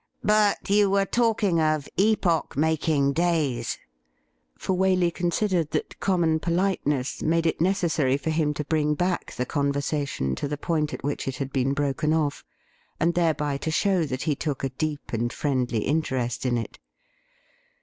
But you were talking of epoch making days' — for Waley considered that common politeness made it necessary for him to bring back the conversation to the point at which it had been broken off, and thereby to show that he took a deep and friendly interest in it.